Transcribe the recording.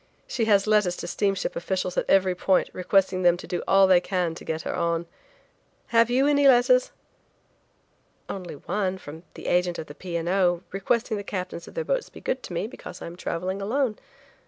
She has letters to steamship officials at every point requesting them to do all they can to get her on. Have you any letters?" "Only one, from the agent of the P. and O., requesting the captains of their boats to be good to me because I am traveling alone.